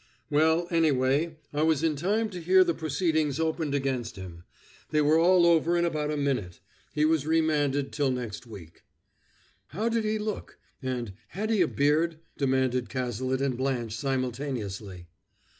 "Well, anyway, I was in time to hear the proceedings opened against him. They were all over in about a minute. He was remanded till next week." "How did he look?" and, "Had he a beard?" demanded Cazalet and Blanche simultaneously.